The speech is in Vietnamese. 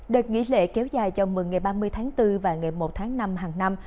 đợt nghỉ lễ kéo dài cho mừng ngày ba mươi tháng bốn và ngày một tháng năm hàng năm